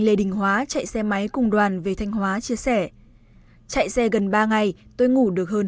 lê đình hóa chạy xe máy cùng đoàn về thanh hóa chia sẻ chạy xe gần ba ngày tôi ngủ được hơn